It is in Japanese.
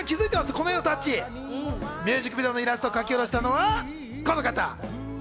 この絵のタッチ、ミュージックビデオのイラストを書き下ろしたのはこの方。